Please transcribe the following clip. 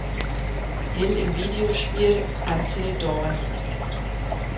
Hill im Videospiel "Until Dawn".